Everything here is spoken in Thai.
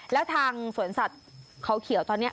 แล้วทางสวนสัตว์เขาเขียวตอนนี้